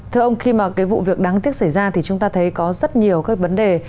thưa ông khi mà cái vụ việc đáng tiếc xảy ra thì chúng ta thấy có rất nhiều cái vấn đề